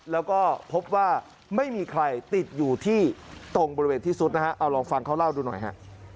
แล้วก็พบว่าไม่มีใครติดอยู่ที่ตรงบริเวณที่สุดนะฮะเอาลองฟังเขาเล่าดูหน่อยฮะ